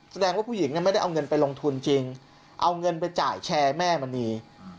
แสดงว่าผู้หญิงไม่ได้เอาเงินไปลงทุนจริงเอาเงินไปจ่ายแชร์แม่มณี